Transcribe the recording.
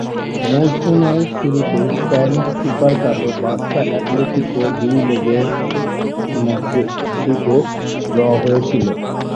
মৌসুমের শুরুতে Spanish super কাপে বার্সা-অ্যাটলেটিকো দুই লেগের ম্যাচ দুটো ড্র হয়েছিল।